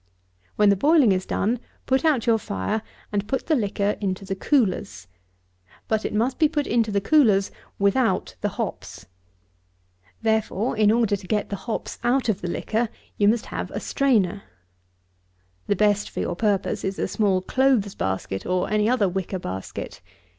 47. When the boiling is done, put out your fire, and put the liquor into the coolers. But it must be put into the coolers without the hops. Therefore, in order to get the hops out of the liquor, you must have a strainer. The best for your purpose is a small clothes basket, or any other wicker basket.